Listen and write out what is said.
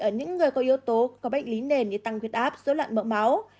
ở những người có yếu tố có bệnh lý nền như tăng huyết áp dối loạn mỡ máu